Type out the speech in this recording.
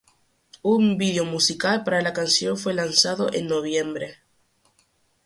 Un video musical para la canción fue lanzado en noviembre.